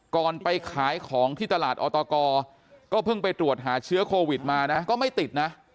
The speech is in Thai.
ไปขายของที่ตลาดออตกก็เพิ่งไปตรวจหาเชื้อโควิดมานะก็ไม่ติดนะ